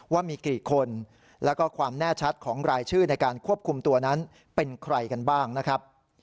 ว่ามีกี่คนแล้วก็ความแน่ชัดของรายชื่อในการควบคุมตัวนั้นเป็นใครกันบ้างนะครับ